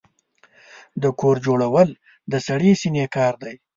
د کور جوړول د سړې سينې کار دی.